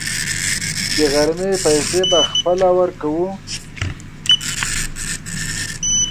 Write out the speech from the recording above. د غرمې پیسې به خپله ورکوو.